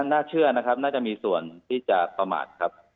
น่าเชื่อน่าจะมีส่วนที่จะประมาท